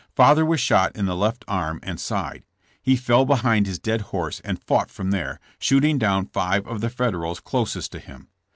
Father was shot in the left arm and side. He fell behind his dead horse and fought from there, shooting down five of the Federals closest to him.